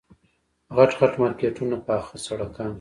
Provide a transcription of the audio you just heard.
غټ غټ مارکېټونه پاخه سړکان.